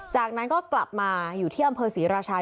จากนั้นก็กลับมาอยู่ที่อำเภอศรีราชา